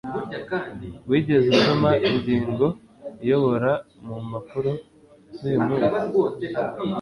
wigeze usoma ingingo iyobora mu mpapuro zuyu munsi